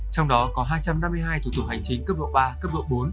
trong đó có hai trăm năm mươi hai thủ tục hành chính cấp độ ba cấp độ bốn